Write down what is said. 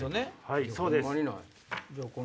はいそうです。